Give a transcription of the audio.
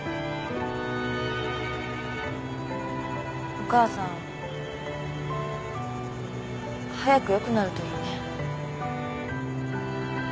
お母さん早く良くなるといいね。